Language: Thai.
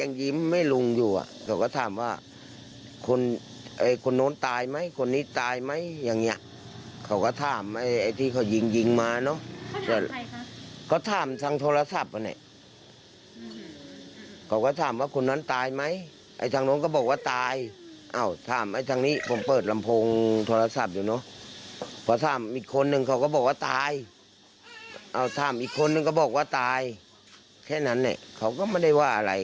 อันนี้ลุงเจ้าของร้านบอกต้องได้ยินแบบนี้